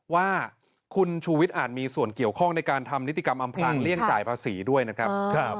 ว่าคุณชูวิทย์อาจมีส่วนเกี่ยวข้องในการทำนิติกรรมอำพลางเลี่ยงจ่ายภาษีด้วยนะครับ